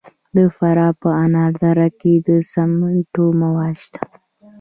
د فراه په انار دره کې د سمنټو مواد شته.